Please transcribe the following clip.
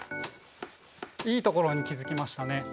いいところに気付きましたね。